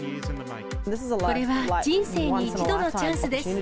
これは人生に一度のチャンスです。